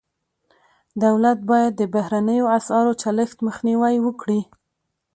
دولت باید د بهرنیو اسعارو چلښت مخنیوی وکړي.